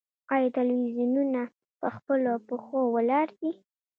آیا تلویزیونونه په خپلو پښو ولاړ دي؟